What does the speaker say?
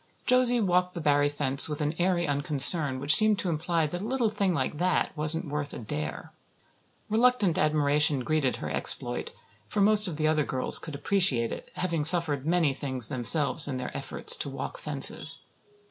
Josie walked the Barry fence with an airy unconcern which seemed to imply that a little thing like that wasn't worth a "dare." Reluctant admiration greeted her exploit, for most of the other girls could appreciate it, having suffered many things themselves in their efforts to walk fences.